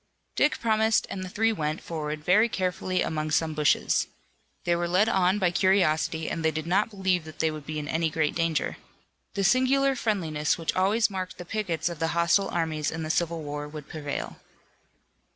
Dick promised and the three went forward very carefully among some bushes. They were led on by curiosity and they did not believe that they would be in any great danger. The singular friendliness which always marked the pickets of the hostile armies in the Civil War would prevail.